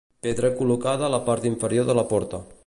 Pedra col·locada a la part inferior de la porta.